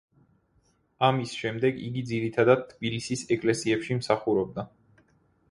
ამის შემდეგ იგი ძირითადად თბილისის ეკლესიებში მსახურობდა.